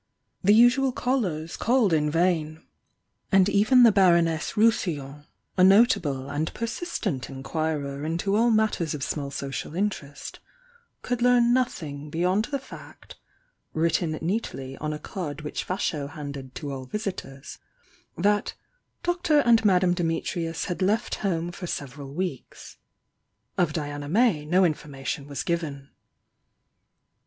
The usual caJlers called in vain, — and even the Bar oness RousUlon, a notable and persistent inquirer into all matters of small social interest, could learn nothing beyond the fact (written neatly on a card which Vadio handed to all visitors) that "Dr. and Madame Dimitrius had left home for several weeks." Of Diana May no information was given.